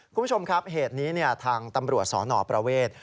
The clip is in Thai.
คุณผู้ชมครับเหตุนี้ทางตำรวจสนประเวท